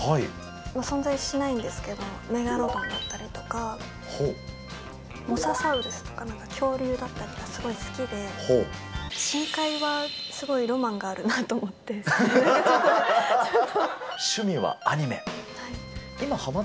存在しないんですけど、メガロドンだったりとか、モササウルスとか、恐竜だったりがすごい好きで、深海はすごいロ趣味はアニメ？